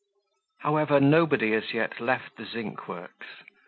However, nobody as yet left the zinc works.